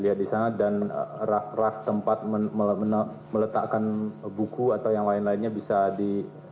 karena ada beberapa bunyi pasalnya tadi